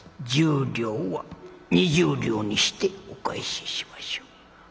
１０両は２０両にしてお返ししましょう。